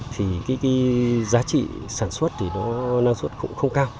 thì cái giá trị sản xuất thì nó năng suất cũng không cao